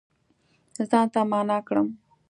ځان ته معنا کړم